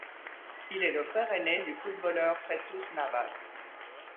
Il est le frère aîné du footballeur Jesús Navas.